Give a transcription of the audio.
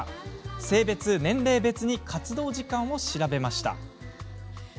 性別、年齢別に活動時間を調べました。